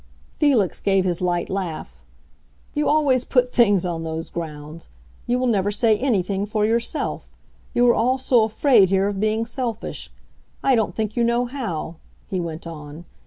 Felix gave his light laugh. "You always put things on those grounds; you will never say anything for yourself. You are all so afraid, here, of being selfish. I don't think you know how," he went on.